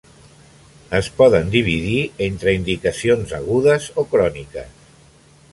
Es poden dividir entre indicacions agudes o cròniques.